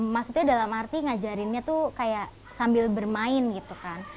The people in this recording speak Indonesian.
maksudnya dalam arti ngajarinnya tuh kayak sambil bermain gitu kan